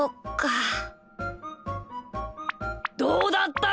どうだった？